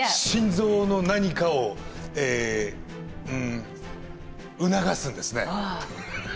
心臓の何かをえうん促すんですね。